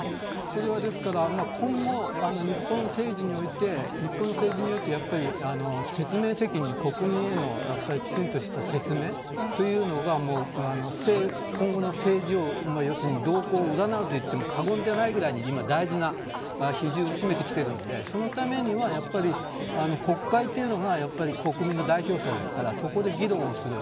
それは、今後日本の政治においてやっぱり説明責任、国民へのきちんとした説明というのが今後の政治の動向を占うといっても過言じゃないくらいに大事な比重を占めてきているのでそのためには国会というのが国民の代表者ですからそこで議論をする。